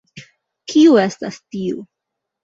Kiu estas tiu?